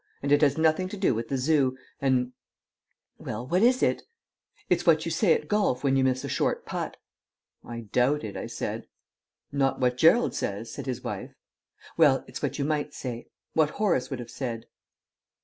And it has nothing to do with the Zoo, and " "Well, what is it?" "It's what you say at golf when you miss a short putt." "I doubt it," I said. "Not what Gerald says," said his wife. "Well, it's what you might say. What Horace would have said."